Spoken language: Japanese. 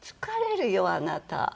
疲れるよあなた。